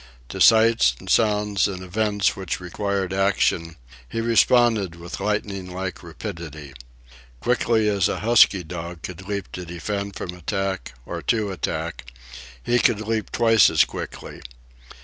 To sights and sounds and events which required action, he responded with lightning like rapidity. Quickly as a husky dog could leap to defend from attack or to attack, he could leap twice as quickly.